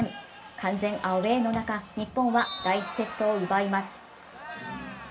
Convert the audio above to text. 完全アウェーの中日本は第１セットを奪います。